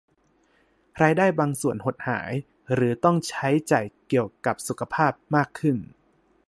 รายได้บางส่วนหดหาย หรือต้องใช้จ่ายเกี่ยวกับสุขภาพมากขึ้น